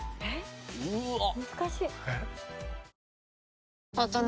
うわっ。